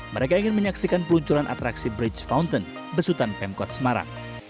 mereka ingin menyaksikan peluncuran atraksi bridge fountain besutan pemkot semarang